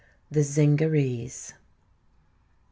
THE ZINGAREES.